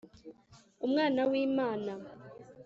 umwana w'imana